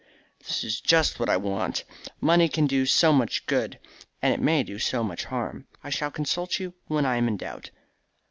"That is just what I want. Money can do so much good, and it may do so much harm. I shall consult you when I am in doubt.